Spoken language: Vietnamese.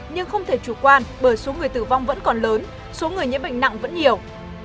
nhưng không thể chủ quan bởi số người tử vong vẫn còn lớn số người nhiễm bệnh nặng vẫn nhiều